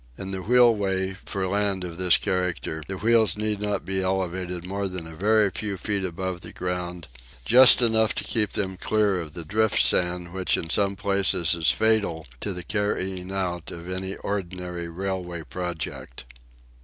In the "wheelway" for land of this character the wheels need not be elevated more than a very few feet above the ground, just enough to keep them clear of the drift sand which in some places is fatal to the carrying out of any ordinary railway project.